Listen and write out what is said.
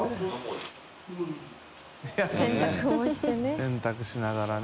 洗濯しながらね。